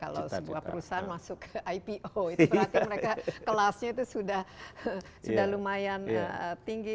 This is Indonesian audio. kalau sebuah perusahaan masuk ke ipo itu berarti mereka kelasnya itu sudah lumayan tinggi